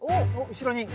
後ろに。